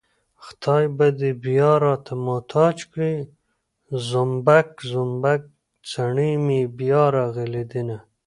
خدای به دې بيا راته محتاج کړي زومبک زومبک څڼې مې بيا راغلي دينه